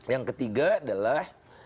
yang ketiga adalah